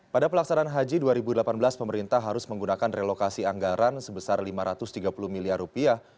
pada pelaksanaan haji dua ribu delapan belas pemerintah harus menggunakan relokasi anggaran sebesar lima ratus tiga puluh miliar rupiah